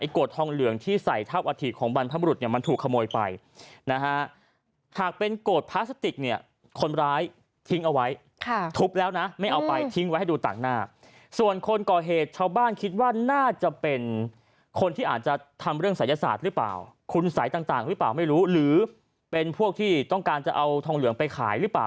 คุณสายต่างหรือเปล่าไม่รู้หรือเป็นพวกที่ต้องการจะเอาทองเหลืองไปขายหรือเปล่า